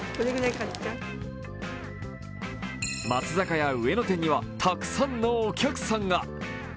松坂屋上野店にはたくさんのお客さんが。